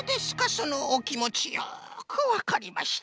そのおきもちよくわかりました。